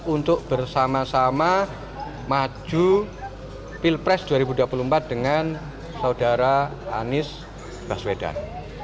untuk bersama sama maju pilpres dua ribu dua puluh empat dengan saudara anies baswedan